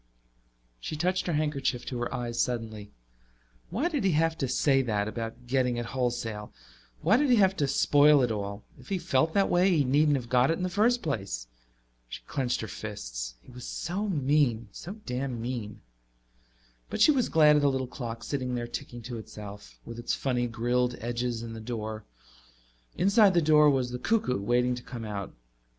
She touched her handkerchief to her eyes suddenly. Why did he have to say that, about getting it wholesale? Why did he have to spoil it all? If he felt that way he needn't have got it in the first place. She clenched her fists. He was so mean, so damn mean. But she was glad of the little clock sitting there ticking to itself, with its funny grilled edges and the door. Inside the door was the cuckoo, waiting to come out.